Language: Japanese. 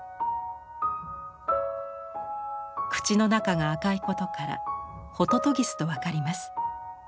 口の中が赤いことからホトトギスと分かります。